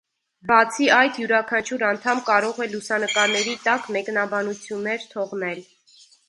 Բացի այդ յուրաքանչյուր անդամ կարող է լուսանկարների տակ մեկնաբանություններ թողնել։